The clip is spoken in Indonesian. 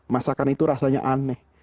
masakan itu rasanya aneh